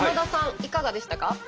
いかがでしたか？